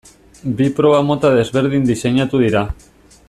Bi proba mota desberdin diseinatu dira.